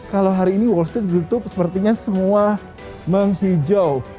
kalau hari ini wall street ditutup sepertinya semua menghijau